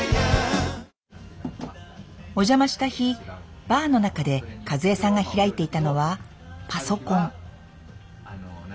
お邪魔した日バーの中で和恵さんが開いていたのはパソコン。